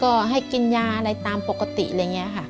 ก็ให้กินยาอะไรตามปกติเหลือแบบนี้ค่ะ